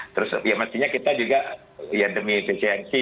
terus kita juga demi efisiensi